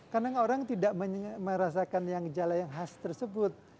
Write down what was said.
kadang orang tidak merasakan yang jala yang khas tersebut